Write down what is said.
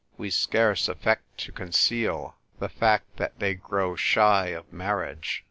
We scarce affect to conceal the fact that they grow shy of marriage.